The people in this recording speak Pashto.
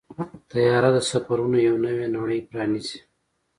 طیاره د سفرونو یو نوې نړۍ پرانیزي.